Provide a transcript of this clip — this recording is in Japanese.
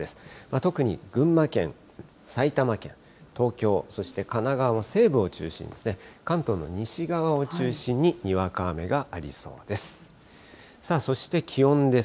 特に群馬県、埼玉県、東京、そして神奈川の西部を中心に、関東の西側を中心に、にわか雨がありそうです。